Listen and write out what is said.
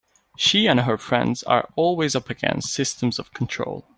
She and her friends are always up against systems of control.